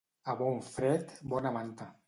A bon fred, bona manta.